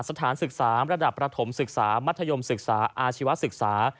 สถานศึกษาระดับประถมศึกษามัธยมศึกษาอาชีวศึกษา